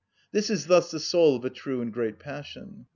This is thus the soul of a true and great passion.